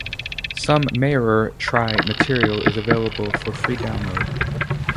Some Maeror Tri material is available for free download.